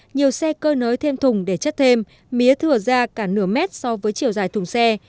nhiều xe cơi nới thêm thùng để chất thêm mía thừa ra cả nửa mét so với chiều dài thùng xe